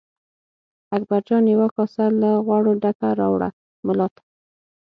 اکبرجان یوه کاسه له غوړو ډکه راوړه ملا ته.